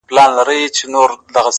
کندهار کي خو هوا نن د پکتيا ده;